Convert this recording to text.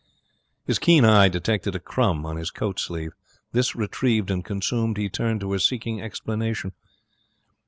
His keen eye detected a crumb on his coat sleeve. This retrieved and consumed, he turned to her, seeking explanation.